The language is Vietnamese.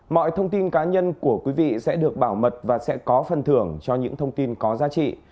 mọi thông tin cá nhân của quý vị sẽ được bảo mật và sẽ có phần thưởng cho những thông tin có giá trị